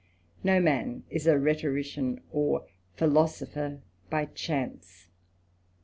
No man is a rhetorician or philosopher by chance.